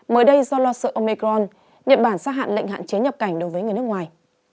mới đây do lo sự omicron nhật bản xác hạn lệnh hạn chế nhập cảnh đối với người nước ngoài